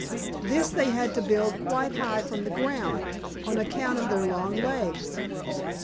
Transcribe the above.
This they had to build quite high from the ground, on account of their long legs.